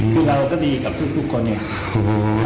คือเราก็ดีกับทุกคนไง